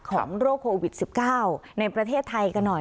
โรคโควิด๑๙ในประเทศไทยกันหน่อย